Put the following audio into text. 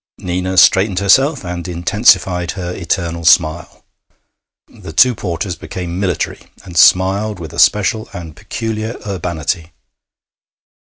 Nina straightened herself and intensified her eternal smile. The two porters became military, and smiled with a special and peculiar urbanity.